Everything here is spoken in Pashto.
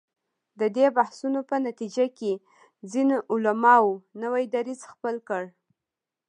د دې بحثونو په نتیجه کې ځینو علماوو نوی دریځ خپل کړ.